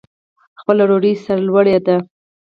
خپله ډوډۍ سرلوړي ده.